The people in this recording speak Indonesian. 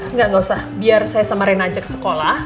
enggak gak usah biar saya sama rena ajak ke sekolah